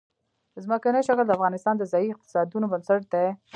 ځمکنی شکل د افغانستان د ځایي اقتصادونو بنسټ دی.